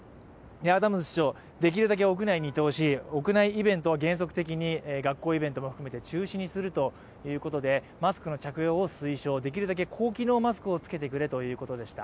アダムズ市長できるだけ屋内にいるようにしてほしい屋外イベントは原則的に学校イベントも含めて、中止にするということでマスクの着用を推奨、できるだけ高機能マスクを着けてくれということでした。